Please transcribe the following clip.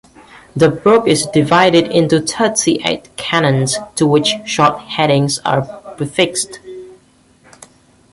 The book is divided into thirty-eight canons, to which short headings are prefixed.